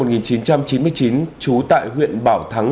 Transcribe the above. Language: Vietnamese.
trú tại huyện bảo thắng